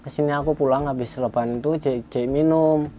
sini aku pulang abis leban itu j j minum